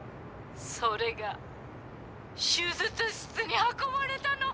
それが手術室に運ばれたの！